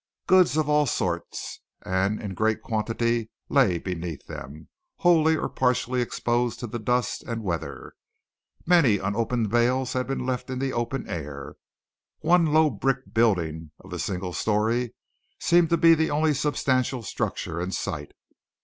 Goods of all sorts, and in great quantity, lay beneath them, wholly or partially exposed to the dust and weather. Many unopened bales had been left in the open air. One low brick building of a single story seemed to be the only substantial structure in sight.